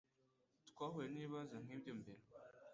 Twahuye nibibazo nkibyo mbere